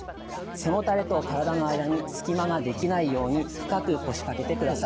背もたれとからだの間に隙間が出来ないように深く腰かけてください。